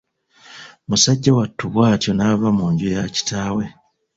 Musajja wattu bw'atyo n'ava mu nju ya kitaawe.